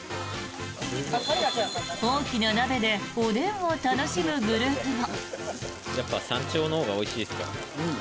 大きな鍋でおでんを楽しむグループも。